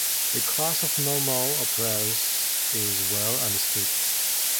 The class of normal operators is well understood.